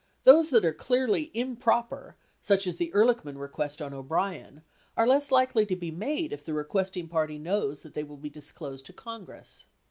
Those that are clearly improper, such as the Ehrlichman request on O'Brien, are less likely to be made if the requesting party knows they will be disclosed to Congress.